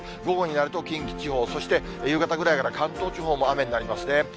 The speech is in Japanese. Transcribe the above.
午後になると近畿地方、そして夕方ぐらいから関東地方も雨になりますね。